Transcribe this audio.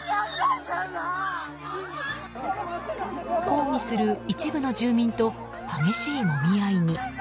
抗議する一部の住民と激しいもみ合いに。